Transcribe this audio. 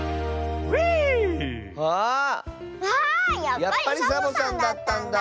やっぱりサボさんだったんだ！